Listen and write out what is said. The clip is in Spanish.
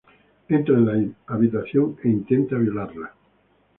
Él entra en la habitación e intenta violarla.